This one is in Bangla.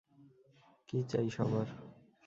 কী চাই সবার?